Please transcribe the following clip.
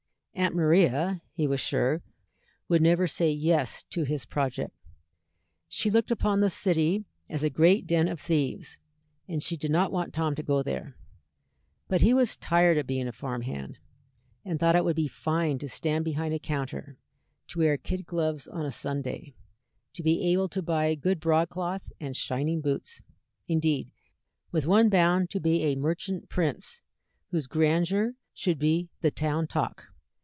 Aunt Maria, he was sure, would never say "yes" to his project. She looked upon the city as a great den of thieves, and she did not want Tom to go there; but he was tired of being a farm hand, and thought it would be fine to stand behind a counter, to wear kid gloves on a Sunday, to be able to buy good broadcloth and shining boots indeed, with one bound to be a merchant prince whose grandeur should be the town talk.